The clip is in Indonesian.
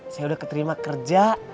saya udah keterima kerja